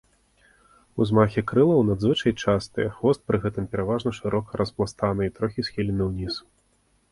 Узмахі крылаў надзвычай частыя, хвост пры гэтым пераважна шырока распластаны і трохі схілены ўніз.